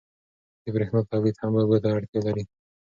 د برېښنا تولید هم اوبو ته اړتیا لري.